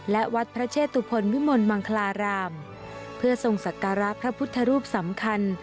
และวัดพระเชตุพลวิมลมังคลารามเพื่อทรงศักระพระพุทธรูปสำคัญ